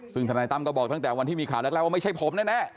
ซึ่งธนายตั้มก็บอกตั้งแต่วันที่มีข่าวแรกว่าไม่ใช่ผมแน่